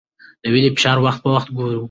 د وینې فشار وخت په وخت وګورئ.